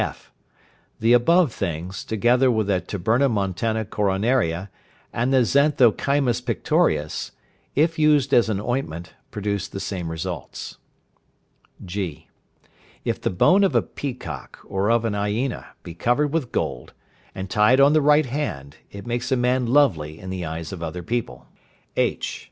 (f). The above things, together with the tabernamontana coronaria, and the xanthochymus pictorius, if used as an ointment, produce the same results. (g). If the bone of a peacock or of an hyena be covered with gold, and tied on the right hand, it makes a man lovely in the eyes of other people. (h).